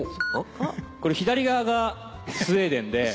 これ左側がスウェーデンで。